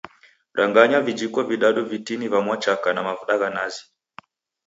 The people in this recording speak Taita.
Ranganya vijiko vidadu vitini va mwachaka na mavuda gha nazi.